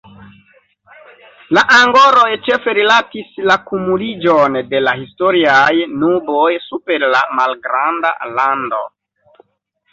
La angoroj ĉefe rilatis la kumuliĝon de la historiaj nuboj super la malgranda lando.